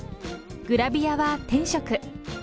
グラビアは天職。